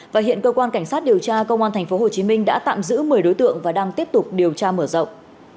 và hiện cơ quan cảnh sát điều tra công an tp hcm đã tạm giữ một mươi đối tượng và đang tiếp tục điều tra mở rộng